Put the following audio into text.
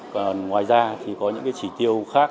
và ngoài ra thì có những cái chỉ tiêu khác